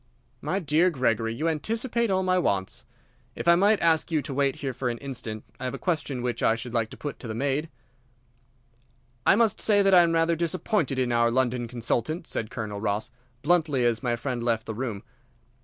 "My dear Gregory, you anticipate all my wants. If I might ask you to wait here for an instant, I have a question which I should like to put to the maid." "I must say that I am rather disappointed in our London consultant," said Colonel Ross, bluntly, as my friend left the room.